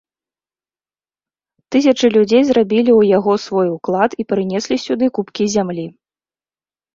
Тысячы людзей зрабілі ў яго свой уклад і прынеслі сюды купкі зямлі.